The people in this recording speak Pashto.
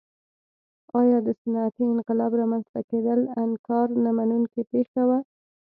ایا د صنعتي انقلاب رامنځته کېدل انکار نه منونکې پېښه وه.